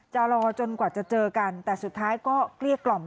รอจนกว่าจะเจอกันแต่สุดท้ายก็เกลี้ยกล่อม